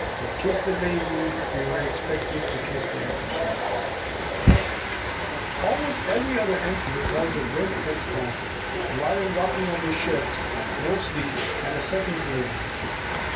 They kissed the baby. We were expected to kiss theirs." 26 John Helffrich's Journal Almost every other entry tells of wind and storra, violent rocking of the ship, no sleep and a second colli sion.